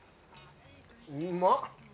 うまっ。